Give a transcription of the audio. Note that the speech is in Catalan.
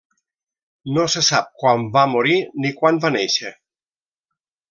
No se sap quan va morir ni quan va néixer.